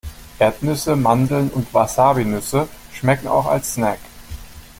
Erdnüsse, Mandeln und Wasabinüsse schmecken auch als Snack.